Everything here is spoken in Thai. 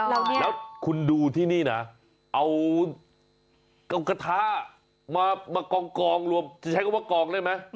แล้วคุณดูที่นี่นะเอากระทะมากองรวมจะใช้คำว่ากองได้ไหม